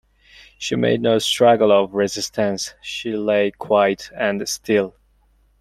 She made no struggle of resistance; she lay quiet and still.